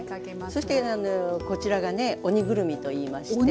そしてこちらがね「鬼ぐるみ」といいまして。